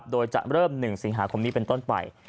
โดยจะเริ่ม๑สิงหาคมนี้เป็นต้นไป